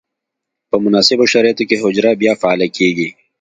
په مناسبو شرایطو کې حجره بیا فعاله کیږي.